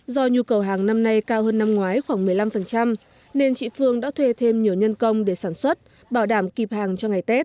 do nhu cầu hàng năm nay cao hơn năm ngoái khoảng một mươi năm nên chị phương đã thuê thêm nhiều nhân công để sản xuất bảo đảm kịp hàng cho ngày tết